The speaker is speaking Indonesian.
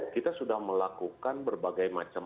kita sudah melakukan berbagai macam